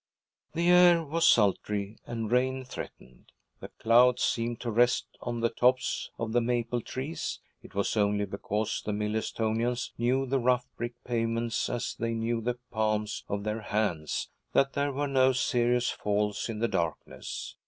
The air was sultry, and rain threatened. The clouds seemed to rest on the tops of the maple trees; it was only because the Millerstonians knew the rough brick pavements as they knew the palms of their hands that there were no serious falls in the darkness.